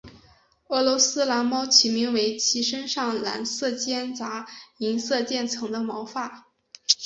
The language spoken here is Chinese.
俄罗斯蓝猫起名为其身上蓝色间杂银色渐层的毛发。